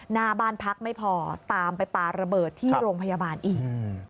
หน้าบ้านพักไม่พอตามไปปลาระเบิดที่โรงพยาบาลอีก